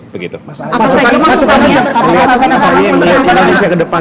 masukan apa pak pratik